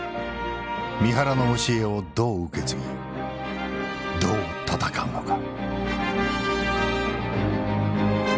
三原の教えをどう受け継ぎどう戦うのか。